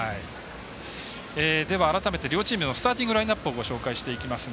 では、改めて両チームのスターティングラインアップをご紹介していきます。